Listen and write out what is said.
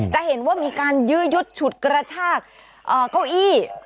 จะเห็นว่ามีการยื้อยุดฉุดกระชากเก้าอี้